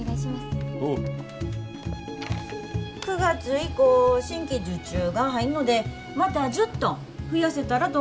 ９月以降新規受注が入んのでまた１０トン増やせたらと思てるんです。